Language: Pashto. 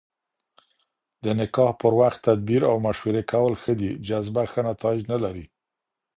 د نکاح پر وخت تدبير او مشورې کول ښه دي، جذبه ښه نتايج نلري